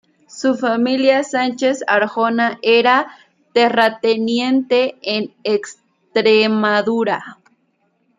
Su familia, Sánchez-Arjona, era terrateniente en Extremadura.